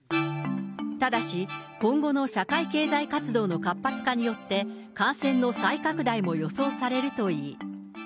ただし、今後の社会経済活動の活発化によって、感染の再拡大も予想されるといい。